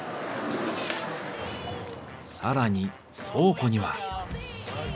更に倉庫には。